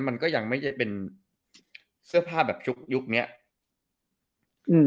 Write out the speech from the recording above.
มันก็ยังไม่ได้เป็นเสื้อผ้าแบบยุคยุคเนี้ยอืม